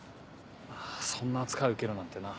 そんな扱い受けるなんてな。